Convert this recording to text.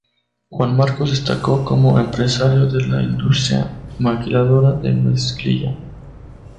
Juan Marcos destacó como empresario de la industria maquiladora de mezclilla.